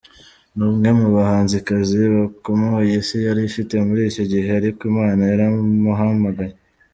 Ni umwe mu bahanzikazi bakomeye isi yari ifite muri iki gihe ariko Imana yaramuhamagaye!!.